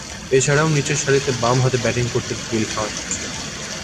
এছাড়াও, নিচেরসারিতে বামহাতে ব্যাটিং করতেন বিল হান্ট।